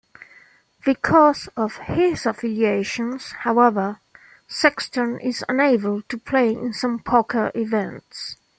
Because of his affiliations, however, Sexton is unable to play in some poker events.